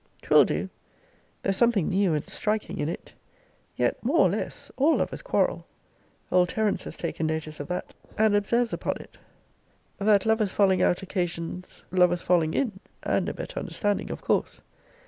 'Twill do. There's something new and striking in it. Yet, more or less, all lovers quarrel. Old Terence has taken notice of that; and observes upon it, That lovers falling out occasions lovers falling in; and a better understanding of course.